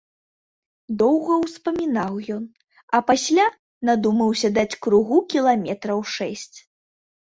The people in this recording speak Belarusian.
Доўга ўспамінаў ён, а пасля надумаўся даць кругу кіламетраў шэсць.